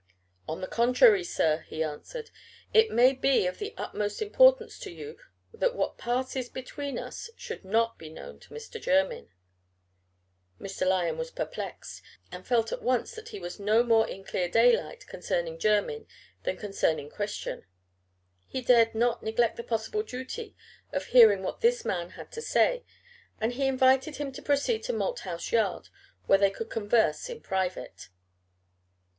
"On the contrary, sir," he answered, "it may be of the utmost importance to you that what passes between us should not be known to Mr. Jermyn." Mr. Lyon was perplexed, and felt at once that he was no more in clear daylight concerning Jermyn than concerning Christian. He dared not neglect the possible duty of hearing what this man had to say, and he invited him to proceed to Malthouse Yard, where they could converse in private.